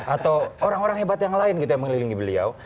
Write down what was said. atau orang orang hebat yang lain gitu yang mengelilingi beliau